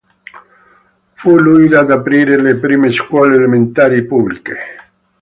Fu lui ad aprire le prime scuole elementari pubbliche.